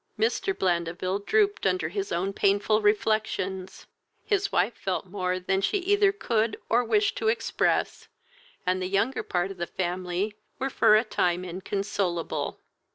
Mr. Blandeville drooped under his own painful reflections, his wife felt more than she either could or wished to express, and the younger part of the family were for a time inconsolable.